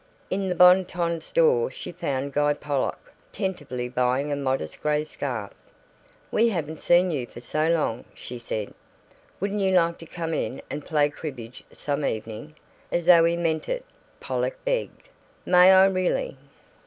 In the Bon Ton Store she found Guy Pollock tentatively buying a modest gray scarf. "We haven't seen you for so long," she said. "Wouldn't you like to come in and play cribbage, some evening?" As though he meant it, Pollock begged, "May I, really?"